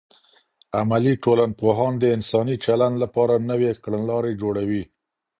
عملي ټولنپوهان د انساني چلند لپاره نوې کړنلارې جوړوي.